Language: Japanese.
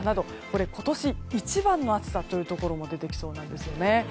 これは今年一番の暑さのところも出てきそうなんですね。